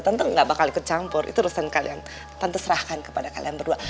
tante gak bakal ikut campur itu urusan kalian tante serahkan kepada kalian berdua